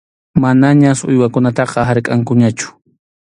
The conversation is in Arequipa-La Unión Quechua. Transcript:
Manañas uywakunataqa harkʼankuñachu.